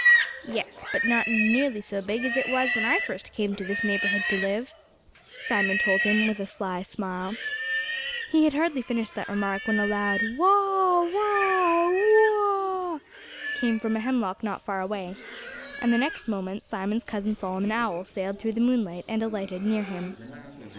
"Yes but not nearly so big as it was when I first came to this neighborhood to live," Simon told him with a sly smile. He had hardly finished that remark when a loud wha wha, whoo ah came from a hemlock not far away. And the next moment Simon's cousin Solomon Owl sailed through the moonlight and alighted near him.